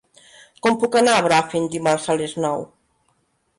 Com puc anar a Bràfim dimarts a les nou?